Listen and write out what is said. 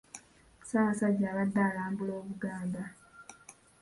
Ssaabasajja abadde alambula Obuganda.